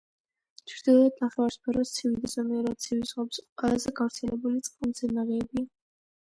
ჩრდილოეთ ნახევარსფეროს ცივი და ზომიერად ცივი ზღვების ყველაზე გავრცელებული წყალმცენარეებია.